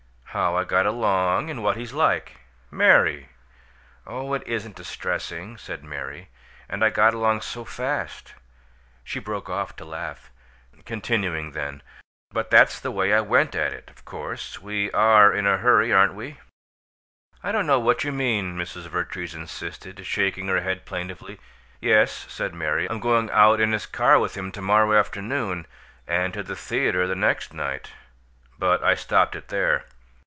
"How I got along and what he's like." "Mary!" "Oh, it isn't distressing!" said Mary. "And I got along so fast " She broke off to laugh; continuing then, "But that's the way I went at it, of course. We ARE in a hurry, aren't we?" "I don't know what you mean," Mrs. Vertrees insisted, shaking her head plaintively. "Yes," said Mary, "I'm going out in his car with him to morrow afternoon, and to the theater the next night but I stopped it there.